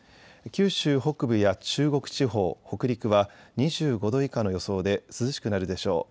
九州北部や中国地方、北陸は２５度以下の予想で涼しくなるでしょう。